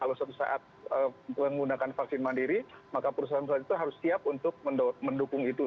kalau suatu saat menggunakan vaksin mandiri maka perusahaan perusahaan itu harus siap untuk mendukung itu